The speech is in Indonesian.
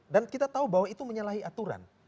dan kita tahu bahwa itu menyalahi aturan